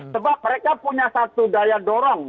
sebab mereka punya satu daya dorong